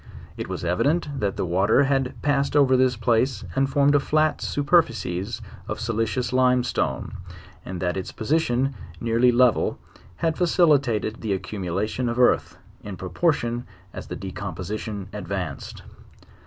It was evident that the water had pas sed over this place, and formed a flat superfices of solicious limestone; and that its position, nearly level, had facilitated the accumulation of earth, in proportion as the decomposi tion advanced.